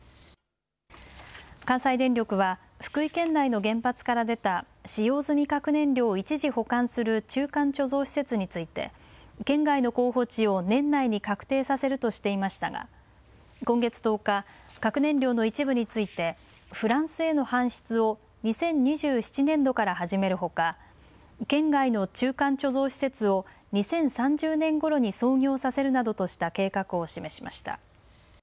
関西電力は福井県内の原発から出た使用済み核燃料を一時保管する中間貯蔵施設について県外の候補地を年内に確定させるとしていましたが今月１０日、核燃料の一部についてフランスへの搬出を２０２７年度から始めるほか県外の中間貯蔵施設を２０３０年ごろに操業させるなどとした計画を示しました。